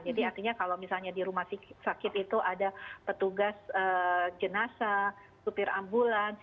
jadi artinya kalau misalnya di rumah sakit itu ada petugas jenazah supir ambulans